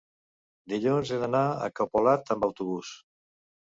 dilluns he d'anar a Capolat amb autobús.